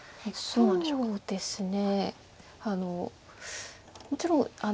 そうですね。